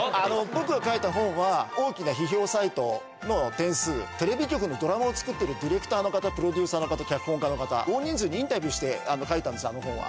僕が書いた本は、大きな批評サイトの点数、テレビ局のドラマを作っているディレクターの方、プロデューサーの方と脚本の方、大人数にインタビューして書いたんです、あの本は。